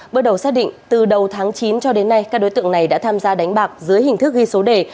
bước đầu xác định từ đầu tháng chín cho đến nay các đối tượng này đã tham gia đánh bạc dưới hình thức ghi số đề